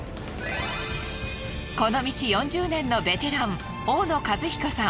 この道４０年のベテラン大野和彦さん。